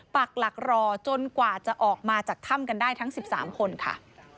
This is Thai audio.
ปักหลักรอจนกว่าจะออกมาจากถ้ำกันได้ทั้ง๑๓คนค่ะ